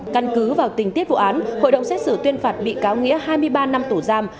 căn cứ vào tình tiết vụ án hội đồng xét xử tuyên phạt bị cáo nghĩa hai mươi ba năm tù giam